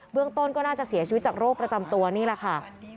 เรื่องต้นก็น่าจะเสียชีวิตจากโรคประจำตัวนี่แหละค่ะ